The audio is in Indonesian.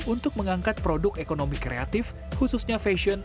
untuk mengangkat produk ekonomi kreatif khususnya fashion